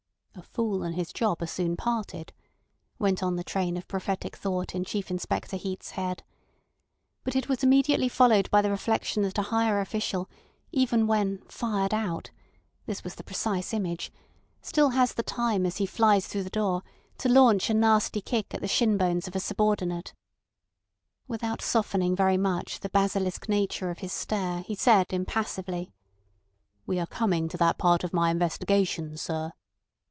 "A fool and his job are soon parted," went on the train of prophetic thought in Chief Inspector Heat's head. But it was immediately followed by the reflection that a higher official, even when "fired out" (this was the precise image), has still the time as he flies through the door to launch a nasty kick at the shin bones of a subordinate. Without softening very much the basilisk nature of his stare, he said impassively: "We are coming to that part of my investigation, sir."